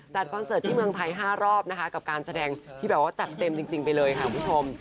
คอนเสิร์ตที่เมืองไทย๕รอบนะคะกับการแสดงที่แบบว่าจัดเต็มจริงไปเลยค่ะคุณผู้ชม